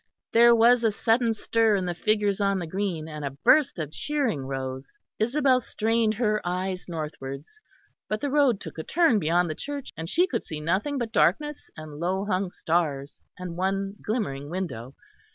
There was a sudden stir in the figures on the green, and a burst of cheering rose. Isabel strained her eyes northwards, but the road took a turn beyond the church and she could see nothing but darkness and low hung stars and one glimmering window.